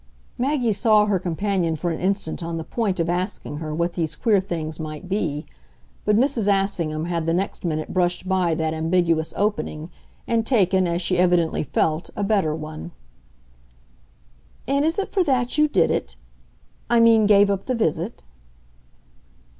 Maggie saw her companion for an instant on the point of asking her what these queer things might be; but Mrs. Assingham had the next minute brushed by that ambiguous opening and taken, as she evidently felt, a better one. "And is it for that you did it? I mean gave up the visit."